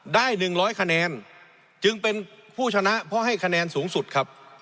ได้๑๐๐คะแนนจึงเป็นผู้ชนะเพราะให้คะแนนสูงสุดครับ